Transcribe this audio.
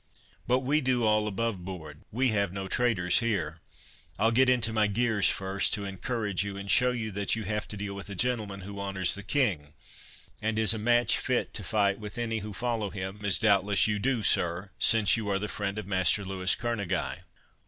But we do all above board—we have no traitors here. I'll get into my gears first, to encourage you, and show you that you have to deal with a gentleman, who honours the King, and is a match fit to fight with any who follow him, as doubtless you do, sir, since you are the friend of Master Louis Kerneguy."